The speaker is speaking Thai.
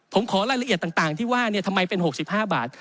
ผมขอรายละเอียดต่างที่ว่าทำไมเป็น๖๕บาท